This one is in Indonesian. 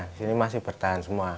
di sini masih bertahan semua